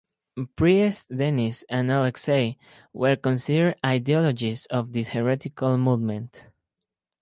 Priests Denis and Aleksei were considered ideologists of this heretical movement.